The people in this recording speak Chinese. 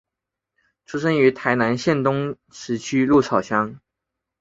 出生于台南县东石区鹿草乡。